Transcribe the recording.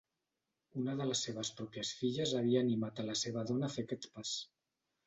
Una de les seves pròpies filles havia animat a la seva dona a fer aquest pas.